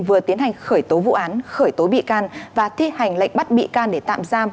vừa tiến hành khởi tố vụ án khởi tố bị can và thi hành lệnh bắt bị can để tạm giam